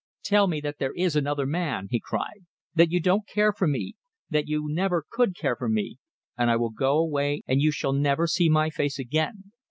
"Tell me that there is another man," he cried, "that you don't care for me, that you never could care for me, and I will go away and you shall never see my face again.